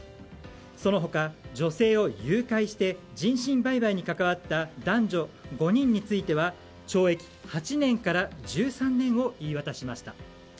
その他、女性を誘拐して人身売買に関わった男女５人については懲役８年から１３年を言い渡しました。